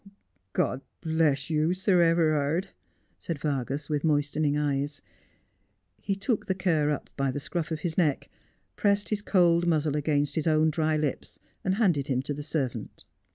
'God bless you, Sir Everard,' said Vargas, with moistening eyes. He took the cur up by the scruff of his neck, pressed his cold muzzle against his own dry lips, and handed him to the servant.